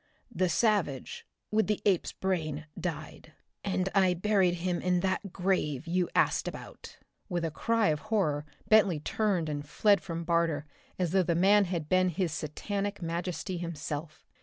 The savage, with the ape's brain, died, and I buried him in that grave you asked about!" With a cry of horror Bentley turned and fled from Barter as though the man had been His Satanic Majesty himself.